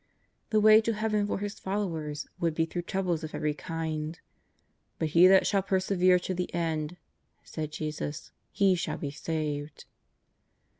The way to Heaven for His followers would be through troubles of every kind. " But he that shall persevere to the end," said Jesus, '' he shall be saved."